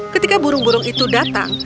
ketika burung burung itu datang